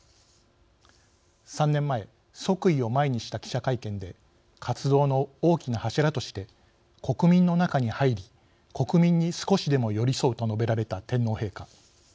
３年前即位を前にした記者会見で活動の大きな柱として「国民の中に入り国民に少しでも寄り添う」と述べられた天皇陛下。